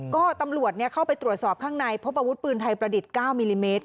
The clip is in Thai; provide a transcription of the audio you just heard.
ก็ตำรวจเข้าไปตรวจสอบข้างในพบอาวุธปืนไทยประดิษฐ์๙มิลลิเมตร